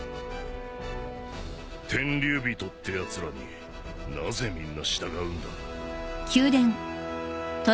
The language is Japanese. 天竜人ってやつらになぜみんな従うんだ？